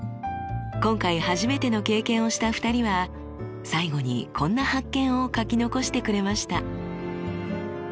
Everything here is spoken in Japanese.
今回初めての経験をした２人は最後にこんな発見を書き残してくれました。